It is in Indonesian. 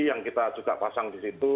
yang kita juga pasang di situ